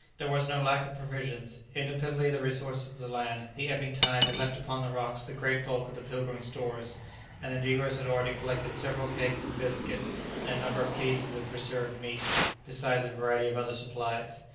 There was no lack of provisions; independently of the resources of the land, the ebbing tide had left upon the rocks the great bulk of the "Pilgrim's" stores, and the negroes had already collected several kegs of biscuit, and a number of cases of preserved meat, besides a variety of other supplies.